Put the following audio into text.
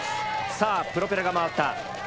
さあプロペラが回った。